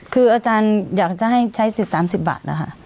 คืออาจารย์อยากจะให้ใช้สิทธิ์๓๐บาทนะคะ